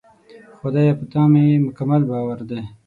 خدایه! په تا مې مکمل باور دی.